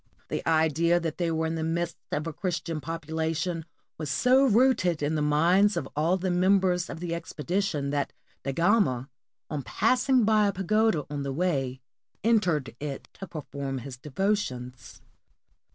The idea that they were in the midst of a Christian population was so rooted in the minds of all the mem bers of the expedition, that Da Gama, on passing by a pagoda on the way, entered it to perform his devotions.